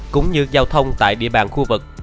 cũng như giao thông tại địa bàn khu vực